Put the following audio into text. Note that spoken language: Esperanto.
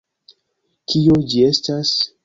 Kio ĝi estas?